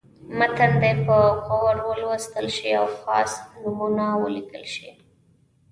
متن دې په غور ولوستل شي او خاص نومونه ولیکل شي.